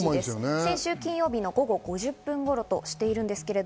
先週金曜日の午後５時５０分頃としています。